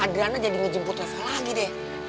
kita jadi ngejemput reva lagi deh